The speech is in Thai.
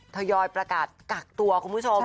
ทยอยประกาศกักตัวคุณผู้ชม